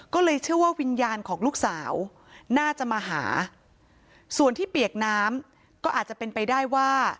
ก็เลยเชื่อว่าวิญญาณของลูกสาวน่าจะมาหาส่วนที่เปียกน้ำก็อาจจะเป็นไปได้ว่า